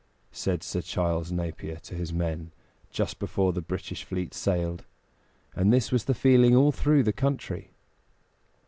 said Sir Charles Napier to his men, just before the British fleet sailed; and this was the feeling all through the country.